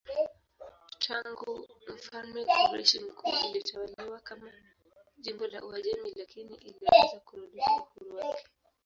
Tangu mfalme Koreshi Mkuu ilitawaliwa kama jimbo la Uajemi lakini iliweza kurudisha uhuru wake.